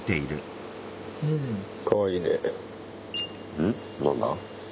うん？何だ？